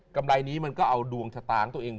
กำไรนี้มันก็เอาดวงชะตาของตัวเอง